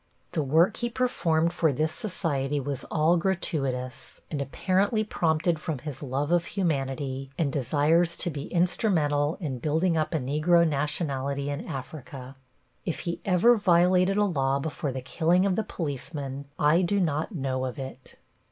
The work he performed for this society was all gratuitous, and apparently prompted from his love of humanity, and desires to be instrumental in building up a Negro Nationality in Africa. If he ever violated a law before the killing of the policemen, I do not know of it.